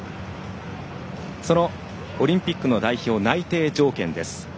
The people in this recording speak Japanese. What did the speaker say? そのオリンピック代表内定条件です。